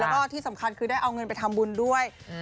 แล้วก็ที่สำคัญคือได้เอาเงินไปทำบุญด้วย